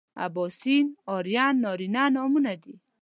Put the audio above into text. اباسین ارین نارینه نومونه دي